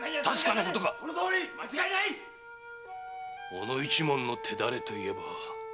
小野一門の“てだれ”といえば。